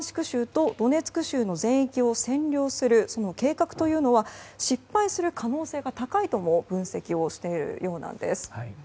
州とドネツク州の全域を占領する計画というのは失敗する可能性が高いとも分析しているようなんです。